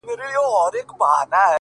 دا چي دي شعرونه د زړه جيب كي وړي؛